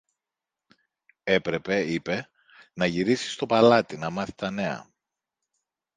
Έπρεπε, είπε, να γυρίσει στο παλάτι, να μάθει τα νέα.